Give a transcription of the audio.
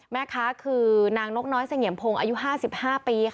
แม่ค้าคือนางนกน้อยเสงี่ยมพงศ์อายุ๕๕ปี